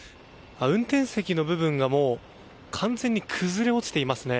運転席の部分がもう完全に崩れ落ちていますね。